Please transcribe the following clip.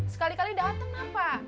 sekali kali dateng apa